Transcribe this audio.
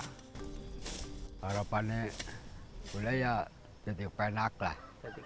harapannya mulai ya sedikit pendek lah